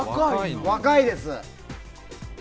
若いです。